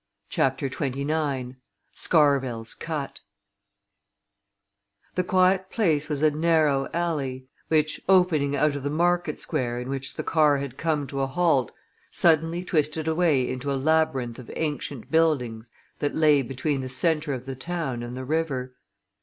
CHAPTER XXIX SCARVELL'S CUT The quiet place was a narrow alley, which opening out of the Market Square in which the car had come to a halt, suddenly twisted away into a labyrinth of ancient buildings that lay between the centre of the town and the river.